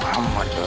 kenapa dengan anjani